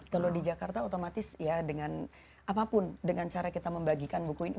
kalau di jakarta otomatis ya dengan apapun dengan cara kita membagikan buku ini